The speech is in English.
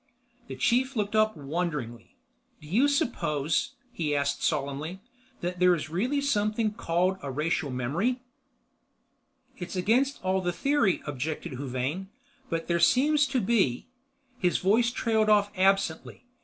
The chief looked up wonderingly. "Do you suppose," he asked solemnly, "that there is really something called a 'racial memory'?" "It's against all the theory," objected Huvane. "But there seems to be—" his voice trailed off absently.